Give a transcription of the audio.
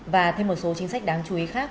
và thêm một số chính sách đáng chú ý khác